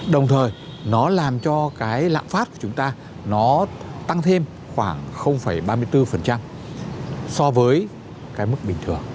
đồng thời nó làm cho lạng phát của chúng ta tăng thêm khoảng ba mươi bốn so với mức bình thường